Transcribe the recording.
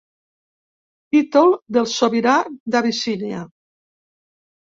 Títol del sobirà d'Abissínia.